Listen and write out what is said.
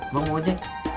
bang mau aja